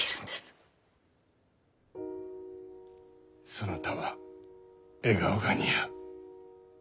そなたは笑顔が似合う。